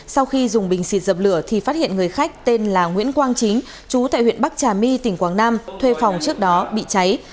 sau khi dùng bình xịt dập lửa thì phát hiện người khách tên là nguyễn quang chính chú tại huyện bắc trà my tỉnh quảng nam thuê phòng trước đó bị cháy